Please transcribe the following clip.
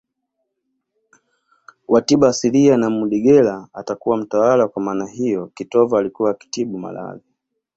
wa tiba asilia na mudegela atakuwa mtawala kwa maana hiyo kitova alikuwa akitibu maradhi